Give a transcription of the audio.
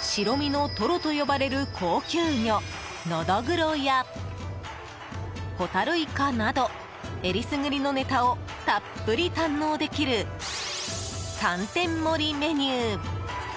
白身のトロと呼ばれる高級魚ノドグロやホタルイカなど選りすぐりのネタをたっぷり堪能できる三点盛メニュー！